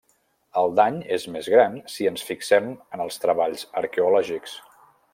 El dany és més gran si ens fixem en els treballs arqueològics.